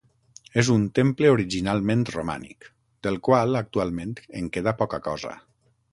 És un temple originalment romànic, del qual actualment en queda poca cosa.